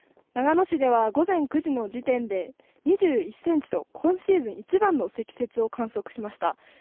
長野市では午前９時の時点で、２１センチと、今シーズン一番の積雪を観測しました。